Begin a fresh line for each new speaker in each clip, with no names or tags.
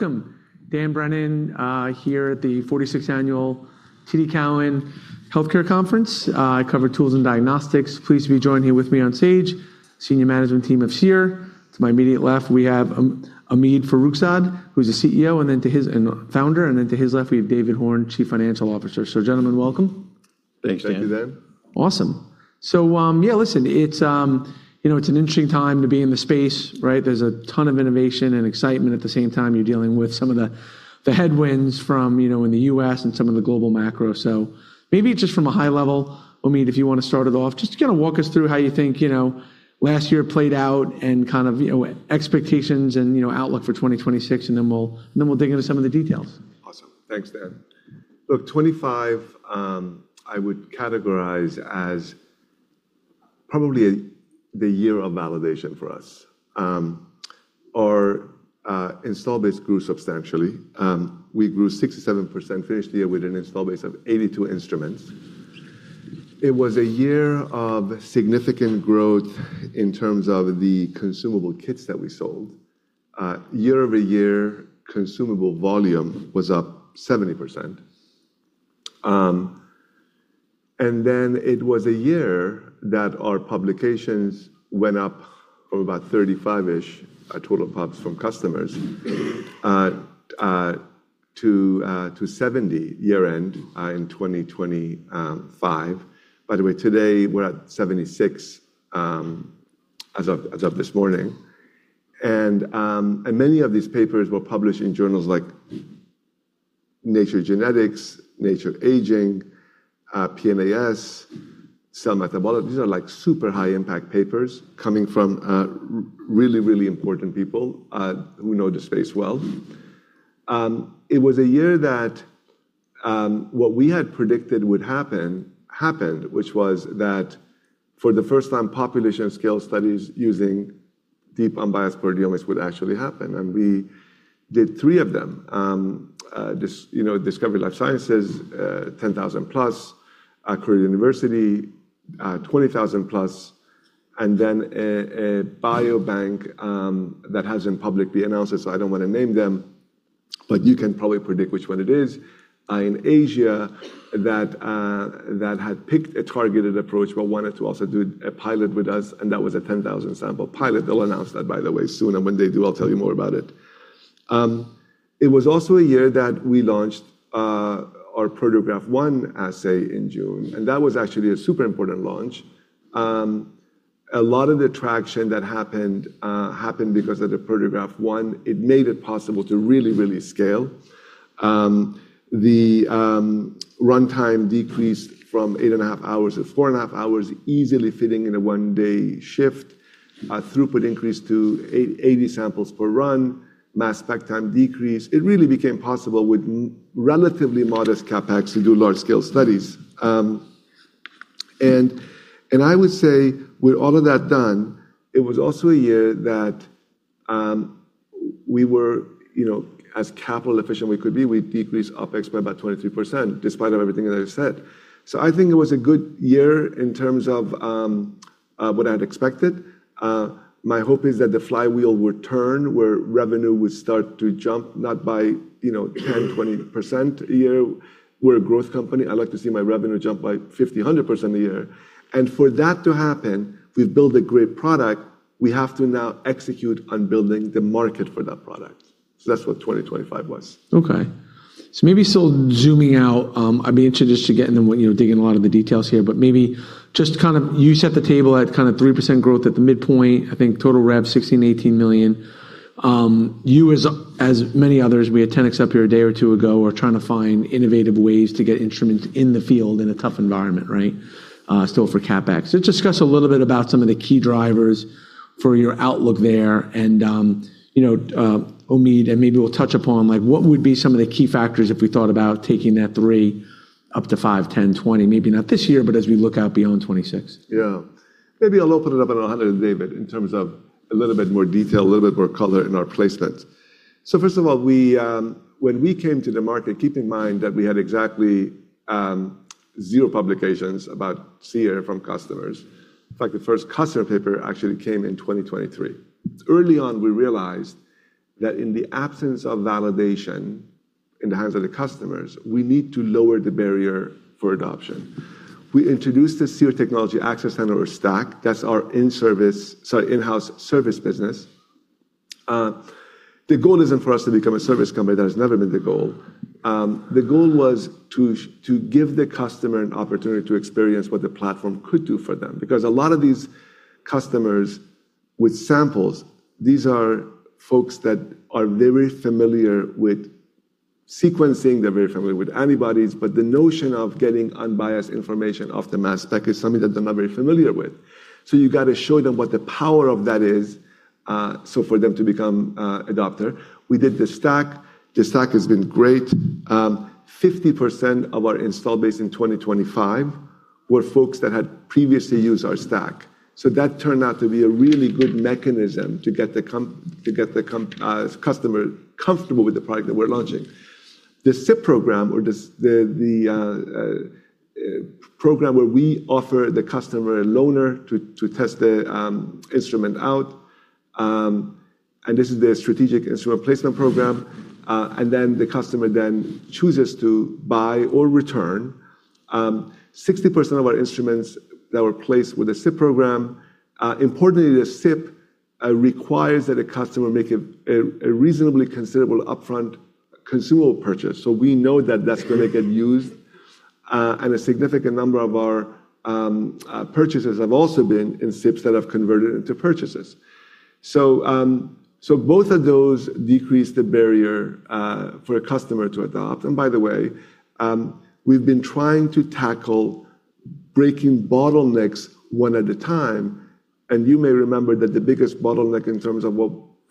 Welcome. Dan Brennan, here at the 46th Annual TD Cowen Health Care Conference. I cover tools and diagnostics. Pleased to be joined here with me on stage, senior management team of Seer. To my immediate left, we have Omid Farokhzad, who's the CEO, and founder, and then to his left, we have David Horn, Chief Financial Officer. Gentlemen, welcome.
Thanks, Dan.
Thank you, Dan.
Awesome. Yeah, listen, it's, you know, it's an interesting time to be in the space, right? There's a ton of innovation and excitement. At the same time, you're dealing with some of the headwinds from, you know, in the U.S. and some of the global macro. Maybe just from a high level, Omid, if you want to start it off, just kind of walk us through how you think, you know, last year played out and kind of, you know, expectations and, you know, outlook for 2026, and then we'll dig into some of the details.
Awesome. Thanks, Dan. Look, 2025, I would categorize as probably the year of validation for us. Our install base grew substantially. We grew 67%, finished the year with an install base of 82 instruments. It was a year of significant growth in terms of the consumable kits that we sold. Year-over-year consumable volume was up 70%. Then it was a year that our publications went up from about 35-ish total pubs from customers to 70 year-end in 2025. By the way, today we're at 76 as of this morning. Many of these papers were published in journals like Nature Genetics, Nature Aging, PNAS, Cell Metabolism. These are like super high impact papers coming from really, really important people who know the space well. It was a year that what we had predicted would happen happened, which was that for the first time, population scale studies using deep unbiased proteomics would actually happen, and we did three of them. This, you know, Discovery Life Sciences, +10,000, University of Akron, +20,000, and then a biobank that hasn't publicly announced it, so I don't want to name them, but you can probably predict which one it is in Asia that had picked a targeted approach but wanted to also do a pilot with us, and that was a 10,000 sample pilot. They'll announce that, by the way, soon, and when they do, I'll tell you more about it. It was also a year that we launched our Proteograph ONE Assay in June, and that was actually a super important launch. A lot of the traction that happened because of the Proteograph 1. It made it possible to really scale. The runtime decreased from eight and a half hours to four and a half hours, easily fitting in a one day shift. Throughput increased to 80 samples per run. Mass spec time decreased. It really became possible with relatively modest CapEx to do large scale studies. I would say with all of that done, it was also a year that we were, you know, as capital efficient we could be. We decreased OpEx by about 23% despite of everything that I just said. I think it was a good year in terms of what I'd expected. My hope is that the flywheel would turn, where revenue would start to jump, not by, you know, 10%, 20% a year. We're a growth company. I'd like to see my revenue jump by 50%, 100% a year. For that to happen, we've built a great product. We have to now execute on building the market for that product. That's what 2025 was.
Okay. Maybe still zooming out, I'd be interested just to get, and then we, you know, dig in a lot of the details here, but maybe just to kind of you set the table at kind of 3% growth at the midpoint. I think total rev, $16 million-$18 million. You as many others, we had 10x Genomics up here a day or two ago, are trying to find innovative ways to get instruments in the field in a tough environment, right? Still for CapEx. Let's discuss a little bit about some of the key drivers for your outlook there, you know, Omid, and maybe we'll touch upon, like, what would be some of the key factors if we thought about taking that 3% up to 5%, 10%, 20%, maybe not this year, but as we look out beyond 2026.
Yeah. Maybe I'll open it up, and I'll hand it to David in terms of a little bit more detail, a little bit more color in our placement. First of all, we, when we came to the market, keep in mind that we had exactly 0 publications about Seer from customers. In fact, the first customer paper actually came in 2023. Early on, we realized that in the absence of validation in the hands of the customers, we need to lower the barrier for adoption. We introduced the Seer Technology Access Center or STAC. That's our in-house service business. The goal isn't for us to become a service company. That has never been the goal. The goal was to give the customer an opportunity to experience what the platform could do for them because a lot of these customers with samples, these are folks that are very familiar with sequencing. They're very familiar with antibodies, but the notion of getting unbiased information off the mass spec is something that they're not very familiar with. You gotta show them what the power of that is so for them to become a adopter. We did the STAC. The STAC has been great. 50% of our install base in 2025 were folks that had previously used our STAC. That turned out to be a really good mechanism to get the customer comfortable with the product that we're launching. The SIP program or the program where we offer the customer a loaner to test the instrument out, and this is the Strategic Instrument Replacement Program, and then the customer then chooses to buy or return 60% of our instruments that were placed with the SIP program. Importantly, the SIP requires that a customer make a reasonably considerable upfront consumable purchase. We know that that's going to get used, and a significant number of our purchases have also been in SIPs that have converted into purchases. Both of those decrease the barrier for a customer to adopt. By the way, we've been trying to tackle breaking bottlenecks one at a time. You may remember that the biggest bottleneck in terms of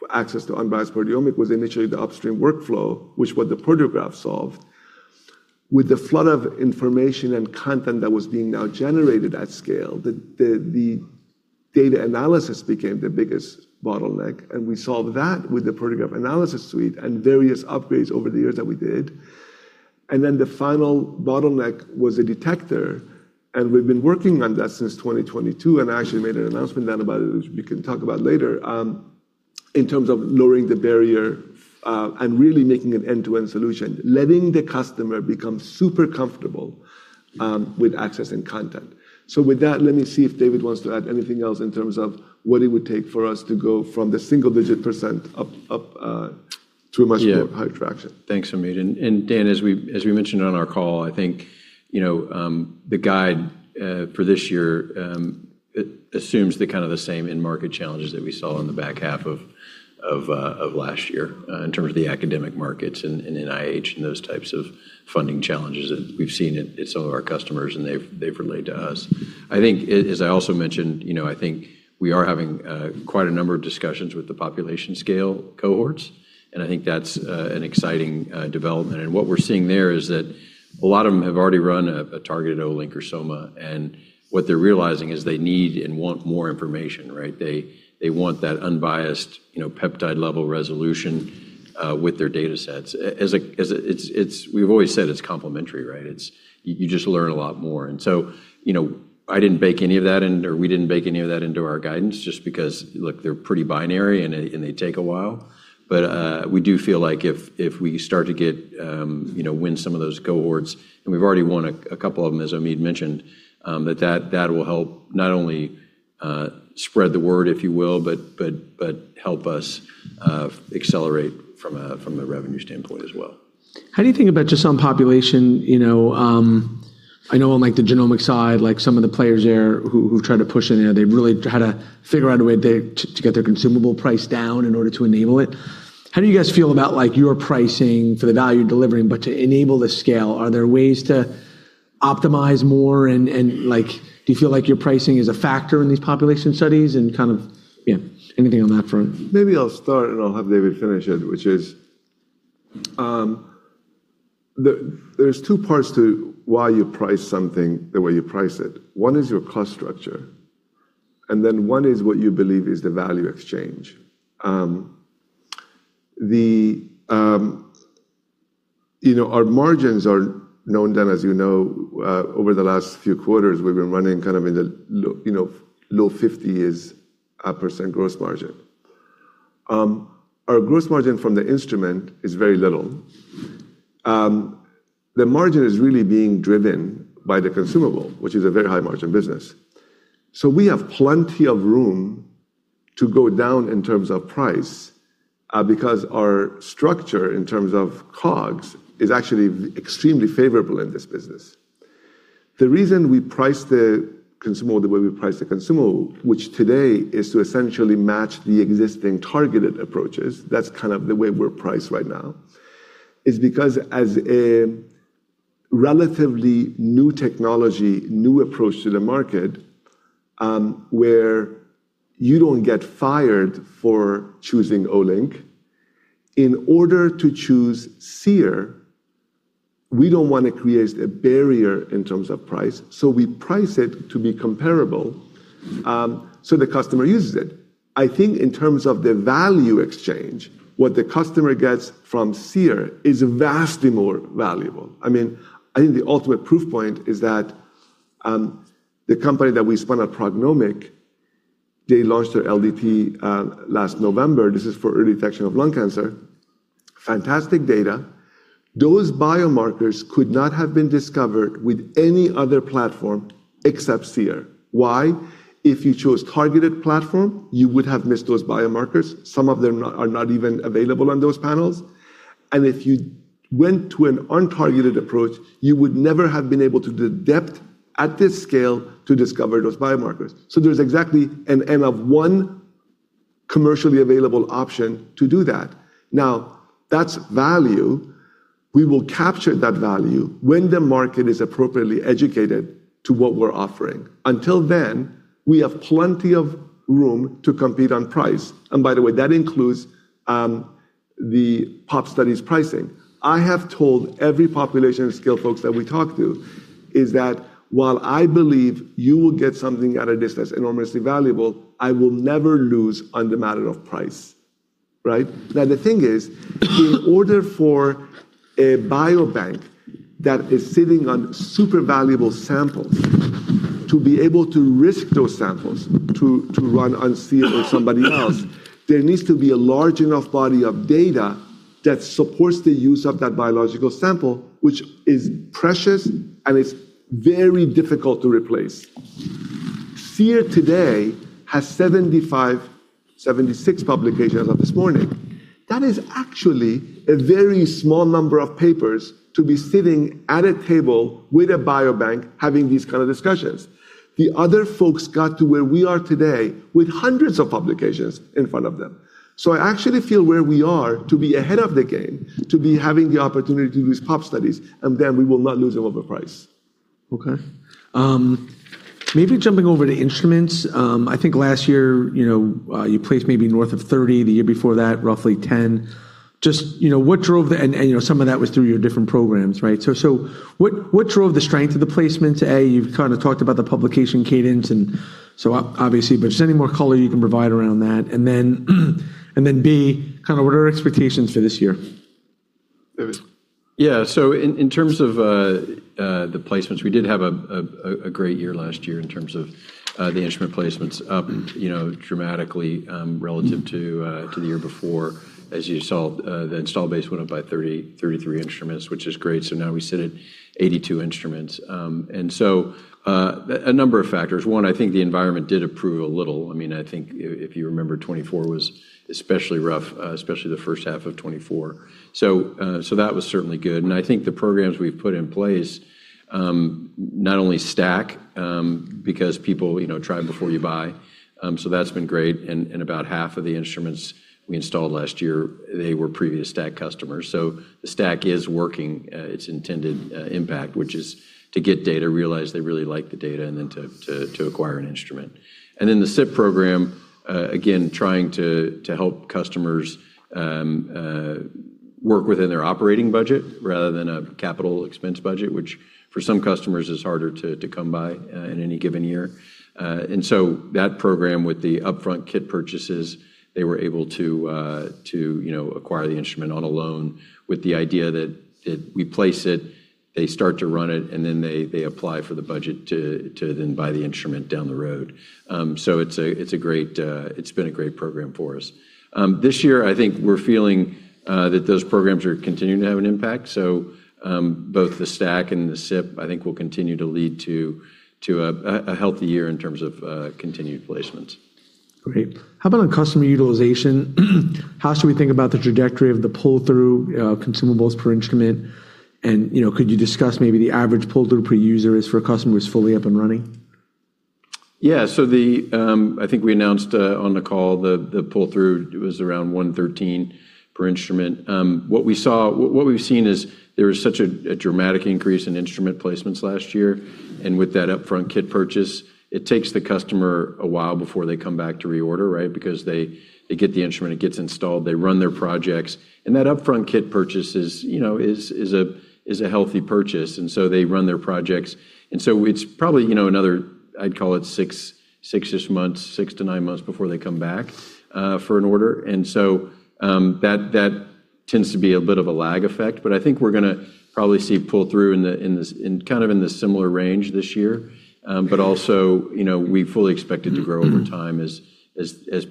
access to unbiased proteomics was initially the upstream workflow, which the Proteograph solved. With the flood of information and content that was being now generated at scale, the data analysis became the biggest bottleneck. We solved that with the Proteograph Analysis Suite and various upgrades over the years that we did. Then the final bottleneck was a detector, and we've been working on that since 2022, and I actually made an announcement then about it, which we can talk about later, in terms of lowering the barrier, and really making an end-to-end solution, letting the customer become super comfortable, with access and content. With that, let me see if David wants to add anything else in terms of what it would take for us to go from the single-digit % up to much more higher traction.
Yeah. Thanks, Omid. Dan, as we mentioned on our call, I think, you know, the guide for this year, it assumes the kind of the same end market challenges that we saw on the back half of last year, in terms of the academic markets and NIH and those types of funding challenges that we've seen at some of our customers, and they've relayed to us. I think as I also mentioned, you know, I think we are having quite a number of discussions with the population scale cohorts, and I think that's an exciting development. What we're seeing there is that a lot of them have already run a targeted Olink or Soma, and what they're realizing is they need and want more information, right? They want that unbiased, you know, peptide-level resolution with their datasets. we've always said it's complementary, right? you just learn a lot more. you know, I didn't bake any of that in, or we didn't bake any of that into our guidance just because, look, they're pretty binary and they take a while. we do feel like if we start to get, you know, win some of those cohorts, and we've already won a couple of them, as Omid mentioned, that will help not only spread the word, if you will, but help us accelerate from a revenue standpoint as well.
How do you think about just on population, you know, I know on, like, the genomic side, like some of the players there who've tried to push in there, they've really had to figure out a way to get their consumable price down in order to enable it. How do you guys feel about, like, your pricing for the value you're delivering, but to enable the scale? Are there ways to optimize more and, like, do you feel like your pricing is a factor in these population studies and kind of. Yeah. Anything on that front?
I'll start, and I'll have David Horn finish it, which is, there's two parts to why you price something the way you price it. One is your cost structure, one is what you believe is the value exchange. You know, our margins are known, Dan Brennan, as you know, over the last few quarters, we've been running kind of in the you know, low 50 is our % gross margin. Our gross margin from the instrument is very little. The margin is really being driven by the consumable, which is a very high-margin business. We have plenty of room to go down in terms of price, because our structure in terms of COGS is actually extremely favorable in this business. The reason we price the consumable the way we price the consumable, which today is to essentially match the existing targeted approaches, that's kind of the way we're priced right now, is because as a relatively new technology, new approach to the market, where you don't get fired for choosing Olink, in order to choose Seer, we don't wannt to create a barrier in terms of price. We price it to be comparable, so the customer uses it. I think in terms of the value exchange, what the customer gets from Seer is vastly more valuable. I mean, I think the ultimate proof point is that, the company that we spun at PrognomIQ, they launched their LDP last November. This is for early detection of lung cancer. Fantastic data. Those biomarkers could not have been discovered with any other platform except Seer. Why? If you chose targeted platform, you would have missed those biomarkers. Some of them are not even available on those panels. If you went to an untargeted approach, you would never have been able to do depth at this scale to discover those biomarkers. There's exactly an N of one commercially available option to do that. Now, that's value. We will capture that value when the market is appropriately educated to what we're offering. Until then, we have plenty of room to compete on price. By the way, that includes the pop studies pricing. I have told every population scale folks that we talk to. Is that while I believe you will get something out of this that's enormously valuable, I will never lose on the matter of price, right? the thing is, in order for a biobank that is sitting on super valuable samples to be able to risk those samples to run on Seer or somebody else, there needs to be a large enough body of data that supports the use of that biological sample, which is precious and it's very difficult to replace. Seer today has 75, 76 publications as of this morning. That is actually a very small number of papers to be sitting at a table with a biobank having these kind of discussions. The other folks got to where we are today with hundreds of publications in front of them. I actually feel where we are to be ahead of the game, to be having the opportunity to do these pop studies, we will not lose them over price.
Okay. Maybe jumping over to instruments, I think last year, you know, you placed maybe north of 30, the year before that, roughly 10. Just, you know, what drove the, you know, some of that was through your different programs, right? What, what drove the strength of the placements? A, you've kind of talked about the publication cadence obviously, but just any more color you can provide around that. B, kind of what are expectations for this year?
David.
Yeah. In terms of the placements, we did have a great year last year in terms of the instrument placements up, you know, dramatically, relative to the year before. As you saw, the install base went up by 33 instruments, which is great. Now we sit at 82 instruments. A number of factors. One, I think the environment did improve a little. I mean, I think if you remember, 2024 was especially rough, especially the first half of 2024. That was certainly good. I think the programs we've put in place, not only STAC, because people, you know, try before you buy, that's been great. About half of the instruments we installed last year, they were previous STAC customers. The STAC is working its intended impact, which is to get data, realize they really like the data, and then to acquire an instrument. The SIP program, again, trying to help customers work within their operating budget rather than a capital expense budget, which for some customers is harder to come by in any given year. That program with the upfront kit purchases, they were able to, you know, acquire the instrument on a loan with the idea that we place it, they start to run it, and then they apply for the budget to then buy the instrument down the road. It's been a great program for us. This year I think we're feeling that those programs are continuing to have an impact. Both the STAC and the SIP, I think will continue to lead to a healthy year in terms of continued placements. Great. How about on customer utilization? How should we think about the trajectory of the pull-through consumables per instrument? You know, could you discuss maybe the average pull-through per user is for a customer who's fully up and running?
I think we announced on the call the pull-through was around $113 per instrument. What we've seen is there was such a dramatic increase in instrument placements last year, with that upfront kit purchase, it takes the customer a while before they come back to reorder, right? Because they get the instrument, it gets installed, they run their projects, that upfront kit purchase is, you know, a healthy purchase. They run their projects, it's probably, you know, another, I'd call it six-ish months, six months to nine months before they come back for an order. That tends to be a bit of a lag effect. I think we're going to probably see pull-through in kind of in the similar range this year. Also, you know, we fully expect it to grow over time as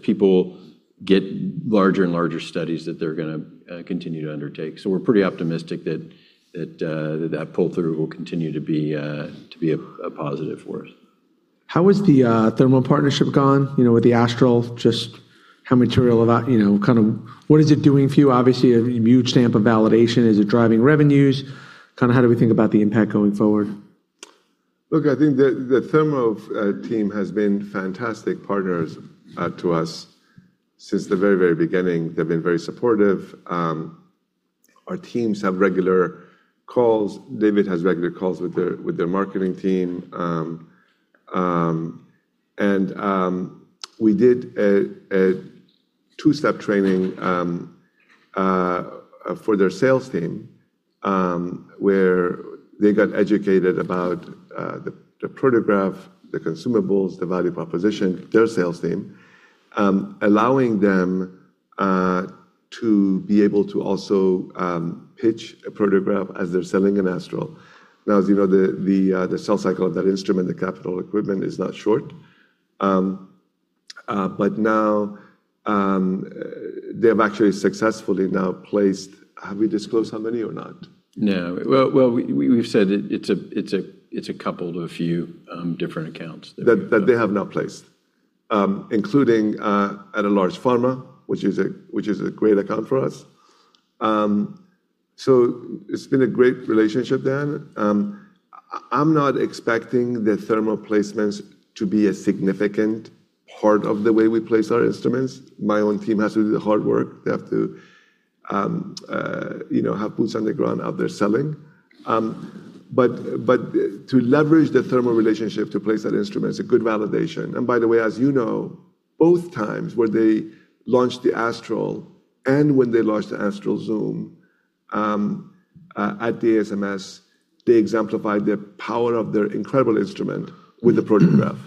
people get larger and larger studies that they're going to continue to undertake. We're pretty optimistic that pull-through will continue to be a positive for us.
How has the Thermo partnership gone, you know, with the Astral? Just how material about, you know, kind of what is it doing for you? Obviously a huge stamp of validation. Is it driving revenues? Kind of how do we think about the impact going forward?
Look, I think the Thermo team has been fantastic partners to us since the very, very beginning. They've been very supportive. Our teams have regular calls. David Horn has regular calls with their marketing team. We did a two-step training for their sales team where they got educated about the Proteograph, the consumables, the value proposition, their sales team, allowing them to be able to also pitch a Proteograph as they're selling an Astral. As you know, the cell cycle of that instrument, the capital equipment is not short. They have actually successfully now placed. Have we disclosed how many or not?
No. Well, we've said it's a couple to a few, different accounts that.
That they have now placed, including at a large pharma, which is a great account for us. It's been a great relationship then. I'm not expecting the Thermo placements to be a significant part of the way we place our instruments. My own team has to do the hard work. They have to, you know, have boots on the ground out there selling. To leverage the Thermo relationship to place that instrument is a good validation. By the way, as you know. Both times where they launched the Astral and when they launched the Astral Zoom, at the ASMS, they exemplified the power of their incredible instrument with the Proteograph.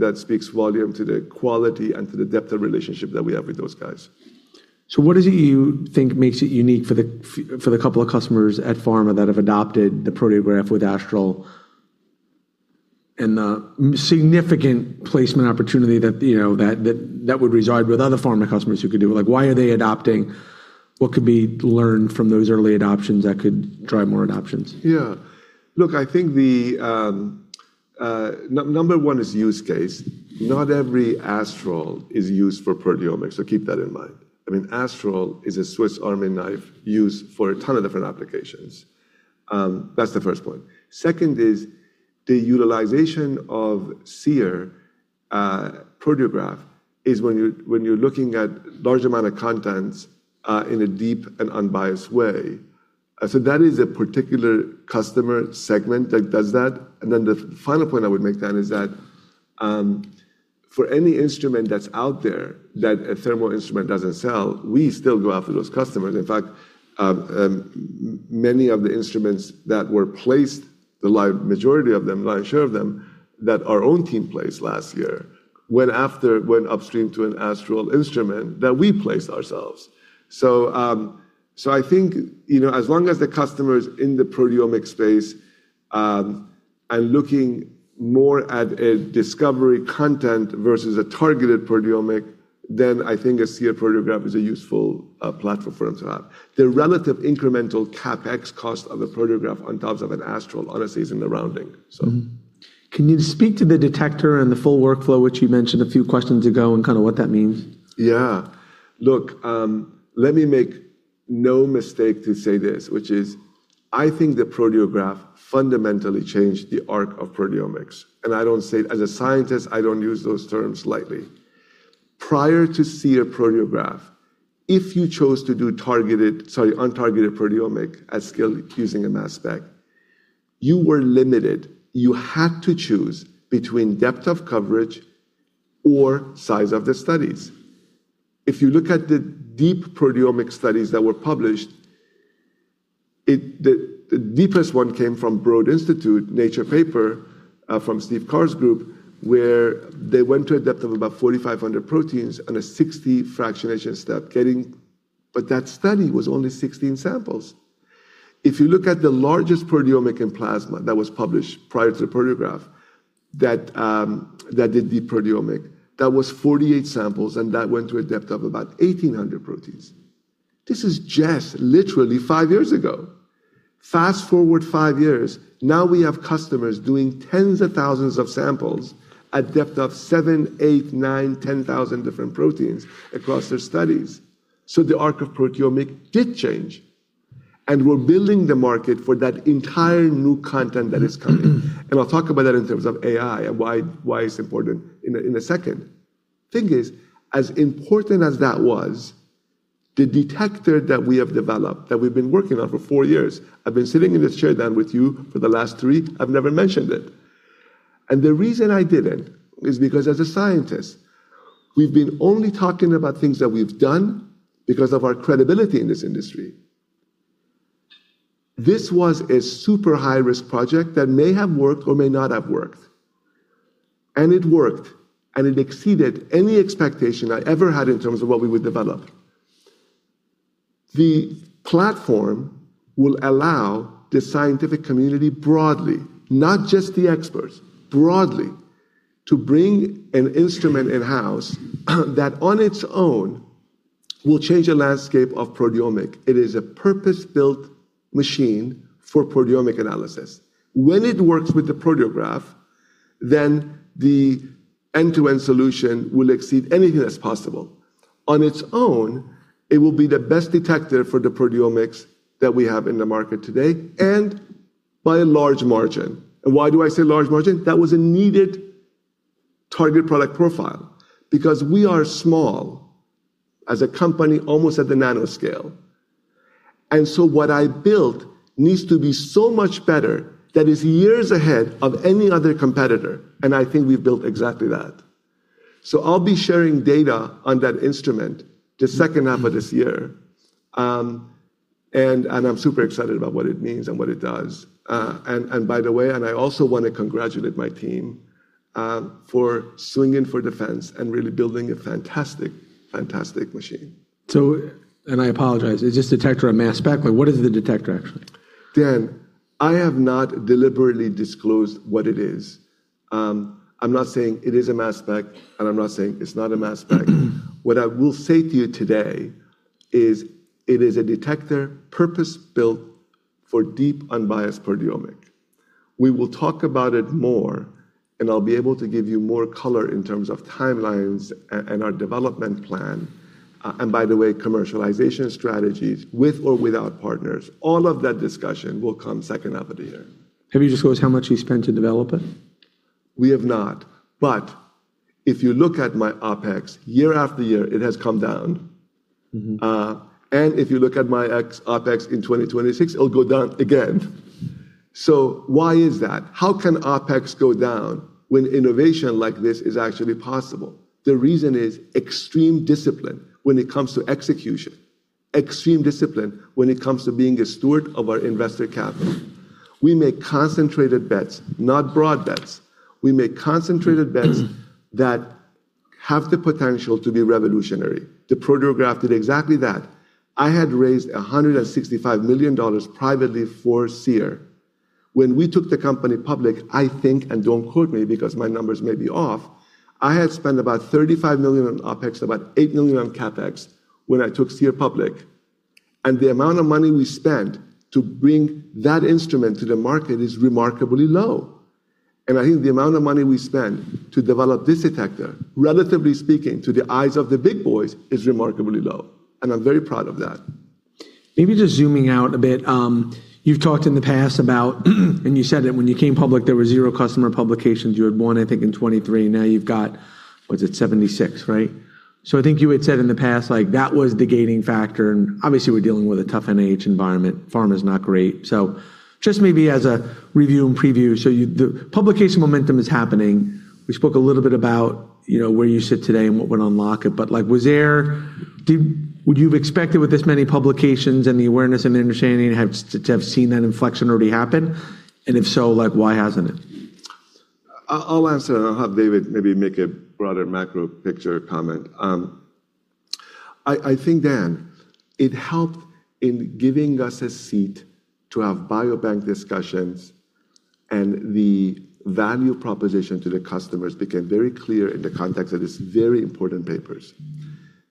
That speaks volume to the quality and to the depth of relationship that we have with those guys.
What is it you think makes it unique for the for the couple of customers at pharma that have adopted the Proteograph with Astral and the significant placement opportunity that, you know, that would reside with other pharma customers who could do it? Like, why are they adopting? What could be learned from those early adoptions that could drive more adoptions?
Yeah. Look, I think the number one is use case. Not every Astral is used for proteomics, keep that in mind. I mean, Astral is a Swiss Army knife used for a ton of different applications. That's the first point. Second is the utilization of Seer Proteograph is when you're looking at large amount of contents in a deep and unbiased way. That is a particular customer segment that does that. The final point I would make, Dan, is that for any instrument that's out there that a Thermo instrument doesn't sell, we still go after those customers. In fact, many of the instruments that were placed, the majority of them, lion's share of them, that our own team placed last year, went upstream to an Astral instrument that we placed ourselves. I think, you know, as long as the customer's in the proteomic space, and looking more at a discovery content versus a targeted proteomic, then I think a Seer Proteograph is a useful platform for them to have. The relative incremental CapEx cost of a Proteograph on top of an Astral honestly is in the rounding.
Can you speak to the detector and the full workflow, which you mentioned a few questions ago, and kind of what that means?
Yeah. Look, let me make no mistake to say this, which is I think the Proteograph fundamentally changed the arc of proteomics. I don't say as a scientist, I don't use those terms lightly. Prior to Seer Proteograph, if you chose to do untargeted proteomic at scale using a mass spec, you were limited. You had to choose between depth of coverage or size of the studies. If you look at the deep proteomic studies that were published, the deepest one came from Broad Institute Nature paper, from Steve Carr's group, where they went to a depth of about 4,500 proteins and a 60 fractionation step. That study was only 16 samples. If you look at the largest proteomics in plasma that was published prior to the Proteograph, that did deep proteomics, that was 48 samples, and that went to a depth of about 1,800 proteins. This is just literally five years ago. Fast-forward 5 years, now we have customers doing tens of thousands of samples at depth of 7,000, 8,000, 9,000, 10,000 different proteins across their studies. The arc of proteomics did change, and we're building the market for that entire new content that is coming. I'll talk about that in terms of AI and why it's important in a second. Thing is, as important as that was, the detector that we have developed, that we've been working on for four years, I've been sitting in this chair, Dan, with you for the last three, I've never mentioned it. The reason I didn't is because as a scientist, we've been only talking about things that we've done because of our credibility in this industry. This was a super high-risk project that may have worked or may not have worked. It worked, and it exceeded any expectation I ever had in terms of what we would develop. The platform will allow the scientific community broadly, not just the experts, broadly, to bring an instrument in-house that on its own will change the landscape of proteomics. It is a purpose-built machine for proteomic analysis. When it works with the Proteograph, then the end-to-end solution will exceed anything that's possible. On its own, it will be the best detector for the proteomics that we have in the market today, and by a large margin. Why do I say large margin? That was a needed target product profile because we are small as a company, almost at the nano scale. What I built needs to be so much better that it's years ahead of any other competitor, and I think we've built exactly that. I'll be sharing data on that instrument the second half of this year. I'm super excited about what it means and what it does. By the way, and I also want to congratulate my team for swinging for defense and really building a fantastic machine.
And I apologize, is this detector a mass spec? Like, what is the detector actually?
Dan, I have not deliberately disclosed what it is. I'm not saying it is a mass spec, and I'm not saying it's not a mass spec. What I will say to you today is it is a detector purpose-built for deep unbiased proteomics. We will talk about it more, and I'll be able to give you more color in terms of timelines and our development plan. By the way, commercialization strategies with or without partners. All of that discussion will come second half of the year.
Have you disclosed how much you spent to develop it?
We have not, but if you look at my OpEx, year after year, it has come down. If you look at my OpEx in 2026, it'll go down again. Why is that? How can OpEx go down when innovation like this is actually possible? The reason is extreme discipline when it comes to execution, extreme discipline when it comes to being a steward of our invested capital. We make concentrated bets, not broad bets. We make concentrated bets that have the potential to be revolutionary. The Proteograph did exactly that. I had raised $165 million privately for Seer. When we took the company public, I think, and don't quote me because my numbers may be off, I had spent about $35 million on OpEx, about $8 million on CapEx when I took Seer public. The amount of money we spent to bring that instrument to the market is remarkably low. I think the amount of money we spent to develop this detector, relatively speaking to the eyes of the big boys, is remarkably low. I'm very proud of that.
Just zooming out a bit, you've talked in the past about and you said that when you came public, there were 0 customer publications. You had one, I think, in 2023. Now you've got, what is it, 76, right? I think you had said in the past, like, that was the gating factor, and obviously we're dealing with a tough NIH environment. Pharma's not great. Just maybe as a review and preview. You the publication momentum is happening. We spoke a little bit about, you know, where you sit today and what would unlock it. Like, was there would you have expected with this many publications and the awareness and understanding to have seen that inflection already happen? If so, like, why hasn't it?
I'll answer, and I'll have David maybe make a broader macro picture comment. I think, Dan, it helped in giving us a seat to have biobank discussions, and the value proposition to the customers became very clear in the context of these very important papers.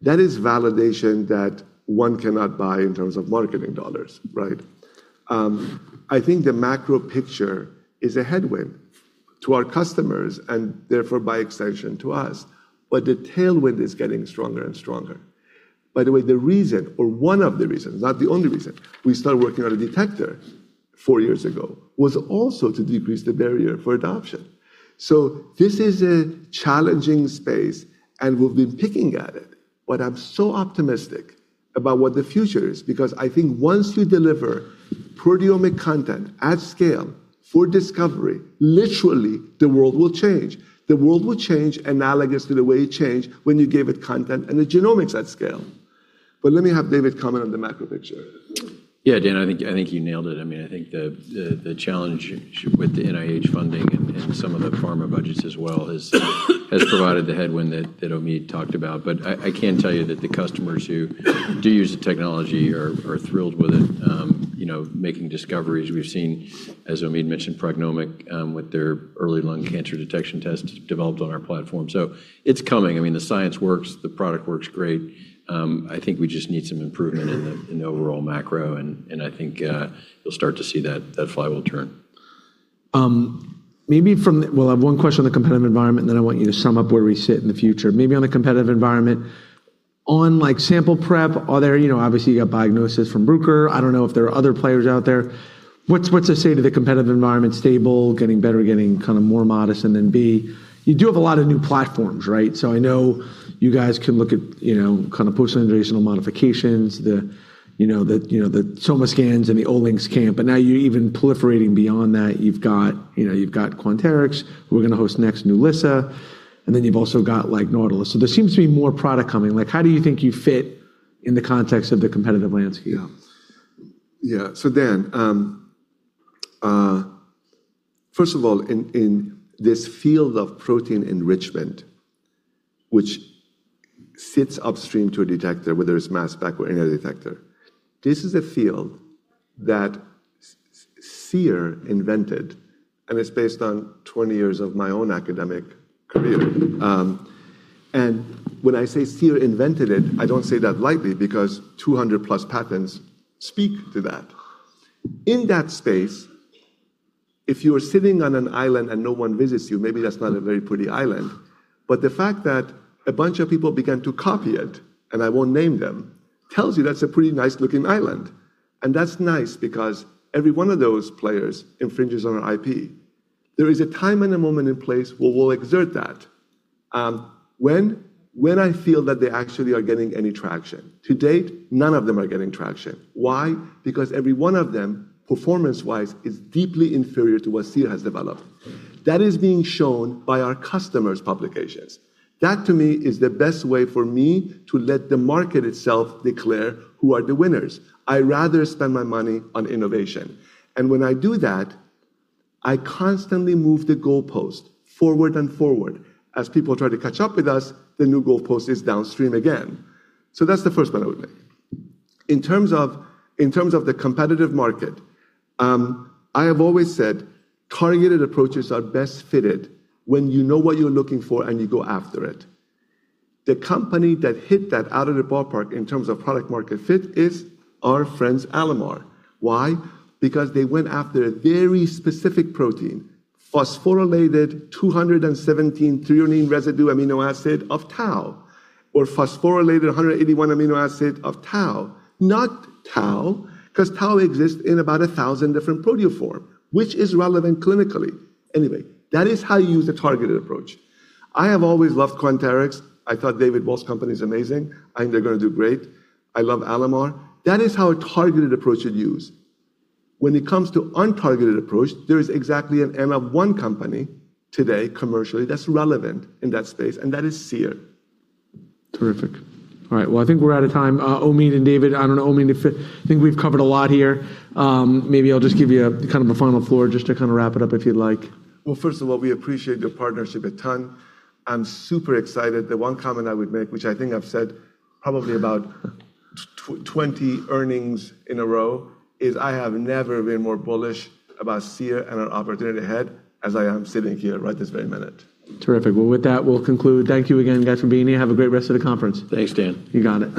That is validation that one cannot buy in terms of marketing dollars, right? I think the macro picture is a headwind to our customers and therefore by extension to us. The tailwind is getting stronger and stronger. By the way, the reason or one of the reasons, not the only reason we started working on a detector four years ago was also to decrease the barrier for adoption. This is a challenging space, and we've been picking at it. I'm so optimistic about what the future is because I think once you deliver proteomic content at scale for discovery, literally the world will change. The world will change analogous to the way it changed when you gave it content and the genomics at scale. Let me have David comment on the macro picture.
Yeah, Dan, I think you nailed it. I mean, I think the challenge with the NIH funding and some of the pharma budgets as well has provided the headwind that Omid talked about. I can tell you that the customers who do use the technology are thrilled with it, you know, making discoveries. We've seen, as Omid mentioned, PrognomIQ, with their early lung cancer detection test developed on our platform. It's coming. I mean, the science works, the product works great. I think we just need some improvement in the overall macro, and I think you'll start to see that flywheel turn.
Maybe we'll have one question on the competitive environment, then I want you to sum up where we sit in the future. Maybe on the competitive environment, on sample prep, are there, obviously you got dia-PASEF from Bruker. I don't know if there are other players out there. What's the state of the competitive environment? Stable, getting better, getting kind of more modest? B, you do have a lot of new platforms, right? I know you guys can look at, kind of post-translational modifications, the SomaScan and the Olink. Now you're even proliferating beyond that. You've got Quanterix, who are going to host next NULISA, and then you've also got Nautilus. There seems to be more product coming. Like, how do you think you fit in the context of the competitive landscape?
Dan, first of all, in this field of protein enrichment, which sits upstream to a detector, whether it's mass spec or any other detector, this is a field that Seer invented, and it's based on 20 years of my own academic career. When I say Seer invented it, I don't say that lightly because +200 patents speak to that. In that space, if you are sitting on an island and no one visits you, maybe that's not a very pretty island. The fact that a bunch of people began to copy it, and I won't name them, tells you that's a pretty nice-looking island. That's nice because every one of those players infringes on our IP. There is a time and a moment and place where we'll exert that. When? When I feel that they actually are getting any traction. To date, none of them are getting traction. Why? Because every one of them, performance-wise, is deeply inferior to what Seer has developed. That is being shown by our customers' publications. That, to me, is the best way for me to let the market itself declare who are the winners. I rather spend my money on innovation. When I do that, I constantly move the goalpost forward and forward. As people try to catch up with us, the new goalpost is downstream again. That's the first one I would make. In terms of the competitive market, I have always said targeted approaches are best fitted when you know what you're looking for and you go after it. The company that hit that out of the ballpark in terms of product market fit is our friends Alamar. Why? Because they went after a very specific protein, phosphorylated 217 threonine residue amino acid of tau or phosphorylated 181 amino acid of tau. Not tau, because tau exists in about 1,000 different proteoform, which is relevant clinically. Anyway, that is how you use a targeted approach. I have always loved Quanterix. I thought David Walt company is amazing. I think they're going to do great. I love Alamar. That is how a targeted approach should use. When it comes to untargeted approach, there is exactly an ML one company today commercially that's relevant in that space, and that is Seer.
Terrific. All right. Well, I think we're out of time. Omid and David, I don't know, Omid, I think we've covered a lot here. Maybe I'll just give you a, kind of a final floor just to kind of wrap it up if you'd like.
Well, first of all, we appreciate your partnership a ton. I'm super excited. The one comment I would make, which I think I've said probably about 20 earnings in a row, is I have never been more bullish about Seer and our opportunity ahead as I am sitting here right this very minute.
Terrific. Well, with that, we'll conclude. Thank you again, guys, for being here. Have a great rest of the conference.
Thanks, Dan.
You got it.